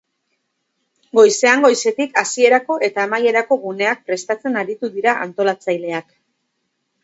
Goizean goizetik hasierako eta amaierako guneak prestatzen aritu dira antolatzaileak.